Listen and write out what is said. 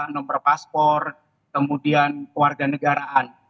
nombor paspor kemudian keluarga negaraan